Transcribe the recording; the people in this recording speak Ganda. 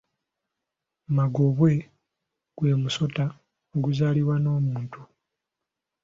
Magobwe gwe musota oguzaalibwa n’omuntu.